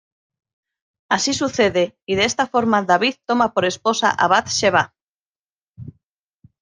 Así sucede y de esta forma David toma por esposa a Bath-sheba.